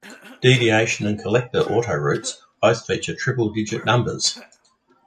Deviation and collector Autoroutes both feature triple-digit numbers.